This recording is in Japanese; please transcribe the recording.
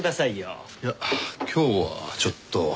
いや今日はちょっと。